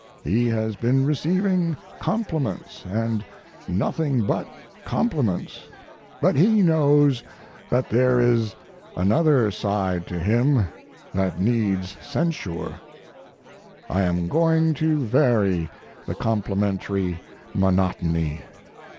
He has been receiving compliments and nothing but compliments, but he knows that there is another side to him that needs censure. I am going to vary the complimentary monotony.